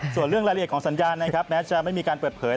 ส่วนเรื่องรายละเอียดของสัญญาณนะครับแม้จะไม่มีการเปิดเผย